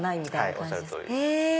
おっしゃる通り。